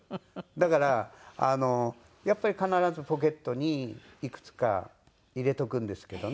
だからやっぱり必ずポケットにいくつか入れとくんですけどね